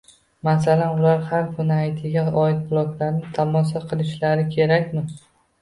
Masalan, ular har kuni AyTiga oid bloklarni tomosha qilishlari kerakmi?